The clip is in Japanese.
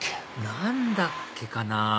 何だっけかなぁ？